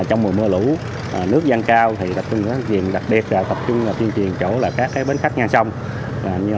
trong mùa mưa lũ nước gian cao tập trung vào chuyên truyền chỗ các bến khách ngang sông